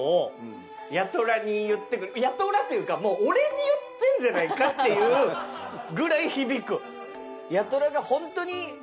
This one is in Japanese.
八虎っていうかもう俺に言ってんじゃないかっていうぐらい響く。